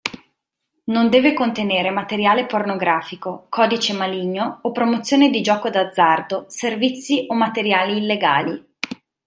Non deve contenere materiale pornografico, codice maligno o promozione di gioco d'azzardo/servizi o materiali illegali.